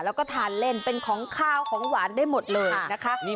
แล้วก็ทานเล่นเป็นของข้าวของหวานได้หมดเลยนะคะ